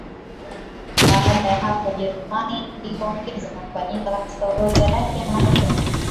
Baada ya hapo Ujerumani iliongeza Tanganyika katika orodha yake ya makoloni